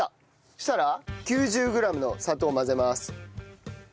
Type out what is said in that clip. そしたら９０グラムの砂糖混ぜます。